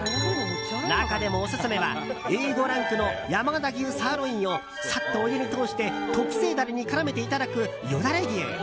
中でもオススメはＡ５ランクの山形牛サーロインをさっとお湯に通して特製ダレに絡めていただく、よだれ牛。